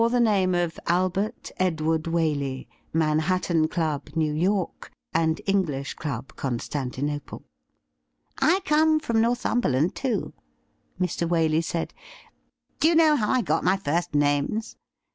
the name of ' Albert Edward Waley, Manhattan Club, New York, and English Club, Constantinople.' ' I come from Northumberland too,' Mr. Waley said. ' Do you know how I got my first names